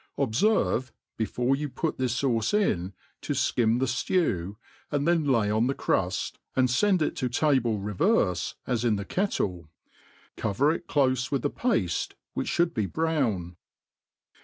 Obferve, before you put this Q.uce in, to fkim the ftew, and then Tay on ibe cruft, and iend it. to table re verfe as in the kettle j cover it clofe with the pafte, which fliould be brown.